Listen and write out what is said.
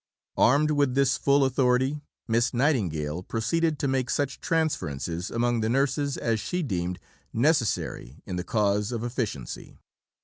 Armed with this full authority, Miss Nightingale proceeded to make such transferences among the nurses as she deemed necessary in the cause of efficiency.